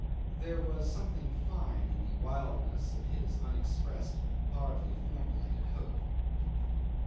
There was something fine in the wildness of his unexpressed, hardly formulated hope.